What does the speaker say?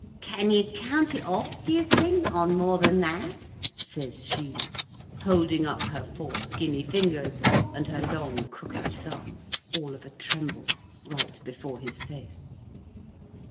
"Can you count it off, do you think, on more than that?" says she, holding up her four skinny fingers and her long crooked thumb, all of a tremble, right before his face.